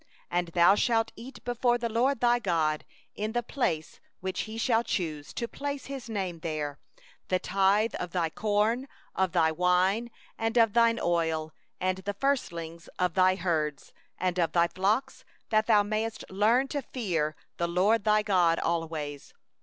23And thou shalt eat before the LORD thy God, in the place which He shall choose to cause His name to dwell there, the tithe of thy corn, of thy wine, and of thine oil, and the firstlings of thy herd and of thy flock; that thou mayest learn to fear the LORD thy God always.